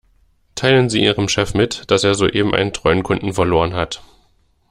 Teilen Sie Ihrem Chef mit, dass er soeben einen treuen Kunden verloren hat.